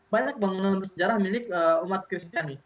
banyak bangunan bersejarah milik umat kristiani